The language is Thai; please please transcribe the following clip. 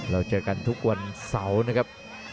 เราเจอกันทุกวันเสาร์นะครับ